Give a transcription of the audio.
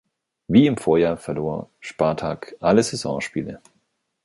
Wie im Vorjahr verlor Spartak alle Saisonspiele.